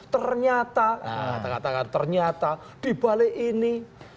ternyata kata kata ternyata di balik ini